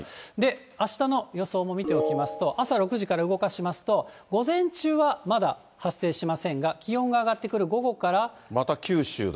あしたの予想も見ておきますと、朝６時から動かしますと、午前中はまだ発生しませんが、また九州だ。